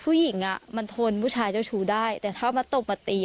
ผู้หญิงอ่ะมันทนผู้ชายเจ้าชู้ได้แต่ถ้ามาตบมาตี